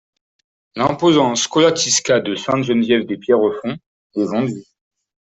L’imposant Scolasticat de Sainte-Geneviève-de-Pierrefonds est vendu.